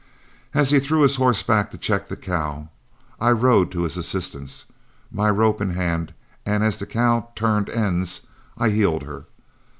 As he threw his horse back to check the cow, I rode to his assistance, my rope in hand, and as the cow turned ends, I heeled her.